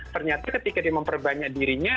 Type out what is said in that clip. ternyata ketika dia memperbanyak dirinya